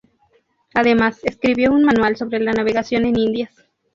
Además, escribió un manual sobre la navegación en Indias.